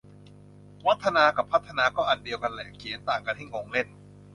วัฒนา กับพัฒนา ก็อันเดียวกันแหละ เขียนต่างกันให้งงเล่น